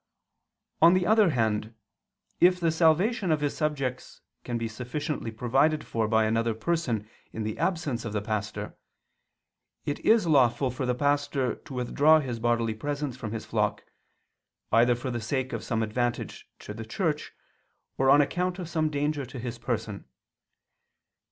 On the other hand, if the salvation of his subjects can be sufficiently provided for by another person in the absence of the pastor, it is lawful for the pastor to withdraw his bodily presence from his flock, either for the sake of some advantage to the Church, or on account of some danger to his person.